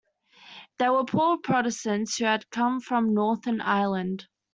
They were poor Protestants who had come from northern Ireland.